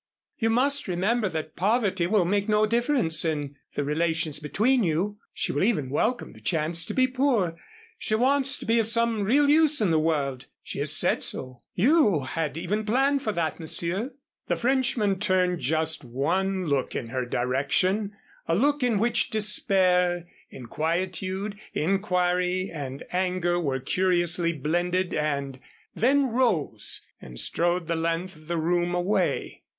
You must remember that poverty will make no difference in the relations between you. She will even welcome the chance to be poor she wants to be of some real use in the world she has said so you had even planned that, Monsieur!" The Frenchman turned just one look in her direction, a look in which despair, inquietude, inquiry and anger were curiously blended and then rose and strode the length of the room away.